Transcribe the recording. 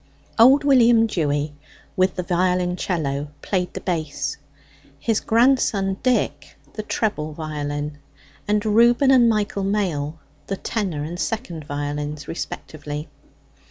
Old William Dewy, with the violoncello, played the bass; his grandson Dick the treble violin; and Reuben and Michael Mail the tenor and second violins respectively.